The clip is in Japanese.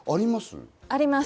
あります？